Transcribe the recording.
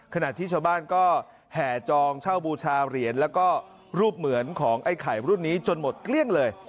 ขณะที่ชาวบ้านก็แห่จองเช่าบูชาเหรียญแล้วก็รูปเหมือนของไอ้ไข่รุ่นนี้จนหมดเกลี้ยงเลย